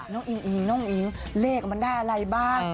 อิงอิงน้องอิ๋งเลขมันได้อะไรบ้าง